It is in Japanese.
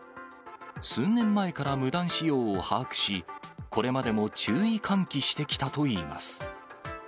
数年前から無断使用を把握し、これまでも注意喚起してきたといいます。